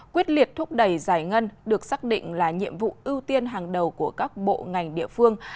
quyết liệt thúc đẩy giải ngân được xác định là nhiệm vụ ưu tiên hàng đầu của các bộ ngành địa phương